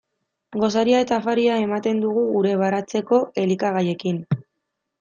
Gosaria eta afaria ematen dugu gure baratzeko elikagaiekin.